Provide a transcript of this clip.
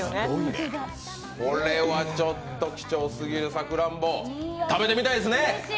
これはちょっと貴重すぎるさくらんぼ、食べてみたいですね。